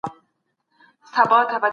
زندانونه هم د فزيکي زور استازيتوب نه کوي؟